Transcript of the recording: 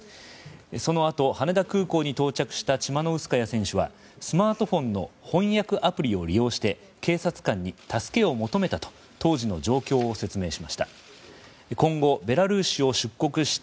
そのあと羽田空港に到着したチマノウスカヤ選手はスマートフォンの翻訳アプリを利用して警察官に助けを求めたと当時の状況を説明しました。